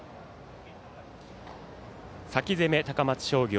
先攻め、高松商業。